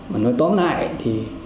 mà nói tóm lại thì